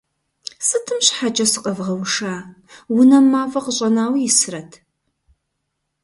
Сытым щхьэкӀэ сыкъэвгъэуша? Унэм мафӀэ къыщӀэнауэ исрэт?!